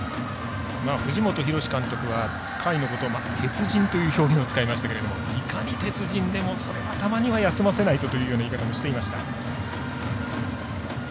藤本博史監督は甲斐のことを鉄人という表現を使いましたけどもいかに鉄人でも、それはたまには休ませないとという言い方もしていました。